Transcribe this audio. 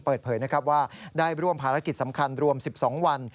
เปิดเผยนะครับว่าได้ร่วมภารกิจสำคัญรวม๑๒วัน